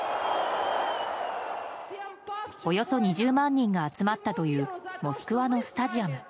およそ２０万人が集まったというモスクワのスタジアム。